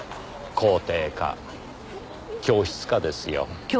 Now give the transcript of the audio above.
校庭か教室かですよ。